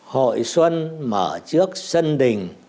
hội xuân mở trước sân đình